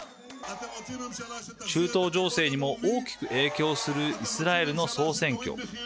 中東情勢にも大きく影響するイスラエルの総選挙。